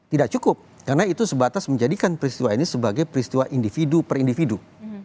tidak cukup karena itu sebatas menjadikan peristiwa ini sebagai peristiwa individu per individu